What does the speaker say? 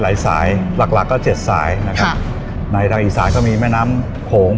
สายหลักหลักก็เจ็ดสายนะครับในทางอีสานก็มีแม่น้ำโขง